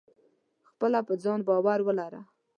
خپل په ځان باور ولره.